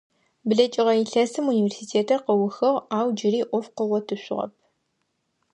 БлэкӀыгъэ илъэсым университетыр къыухыгъ ау джыри Ӏоф къыгъотышъугъэп.